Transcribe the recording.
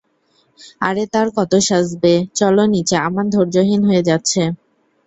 আরে তার কতো সাজবে চলো নিচে আমান ধৈর্যহীন হয়ে যাচ্ছে।